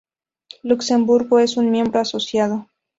Luxemburgo es un "miembro asociado".